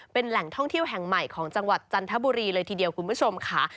เป็นแหล่งท่องเที่ยวแห่งใหม่ของจังหวัดจันทบุรีเลยทีเดียวคุณผู้ชมค่ะ